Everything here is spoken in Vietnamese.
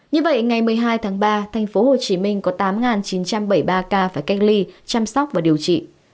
như vậy ngày một mươi hai tháng ba tp hcm có tám chín trăm bảy mươi ba ca phải cách ly chăm sóc và điều trị